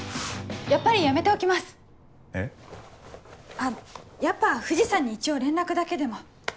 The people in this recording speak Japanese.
あっやっぱ藤さんに一応連絡だけでも。